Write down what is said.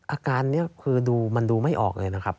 อาการนี้คือดูมันดูไม่ออกเลยนะครับ